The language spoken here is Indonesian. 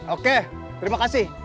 oke terima kasih